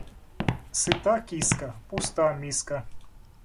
Сыта киска, пуста миска.